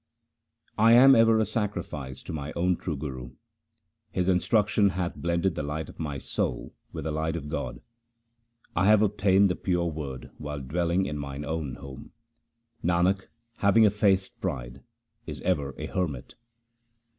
I am ever a sacrifice to my own true Guru. His instruction hath blended the light of my soul with the light of God. I have obtained the pure Word while dwelling in mine own home. Nanak, having effaced pride, is ever a hermit.